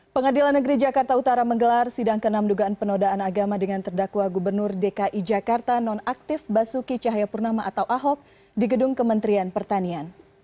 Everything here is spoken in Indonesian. pengadilan negeri jakarta utara menggelar sidang ke enam dugaan penodaan agama dengan terdakwa gubernur dki jakarta nonaktif basuki cahayapurnama atau ahok di gedung kementerian pertanian